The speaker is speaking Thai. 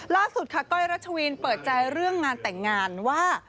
ล่าสุดค่ะก้อยรัชวินเปิดใจเรื่องงานแต่งงานว่า